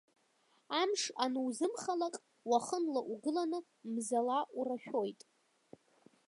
Амш анузымхалак, уахынла угыланы, мзала урашәоит.